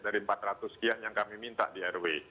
dari empat ratus sekian yang kami minta di rw